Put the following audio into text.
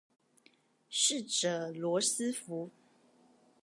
逝者羅斯福